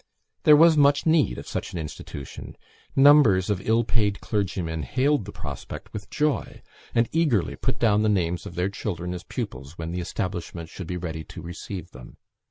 There was much need of such an institution; numbers of ill paid clergymen hailed the prospect with joy, and eagerly put down the names of their children as pupils when the establishment should be ready to receive them.